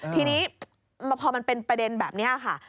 ทีนี้พอมันเป็นประเด็นแบบนี้ค่ะ